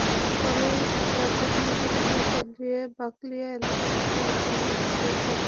পরে রাতে পুলিশ অভিযান চালিয়ে বাকলিয়া এলাকা থেকে আবদুল্লাহকে গ্রেপ্তার করে।